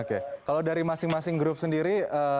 oke kalau dari masing masing grup sendiri